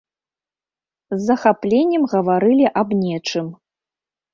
З захапленнем гаварылі аб нечым.